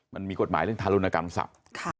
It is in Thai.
มันมีกฎหมายเรื่องทารุณกรรมศัพท์